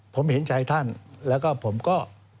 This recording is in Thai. ผมเห็นชายท่านและผมก็